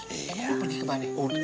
kayaknya mau pergi kemana